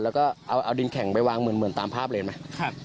แล้วก็เอาดินแข็งไปวางเหมือนตามภาพเลยเห็นไหม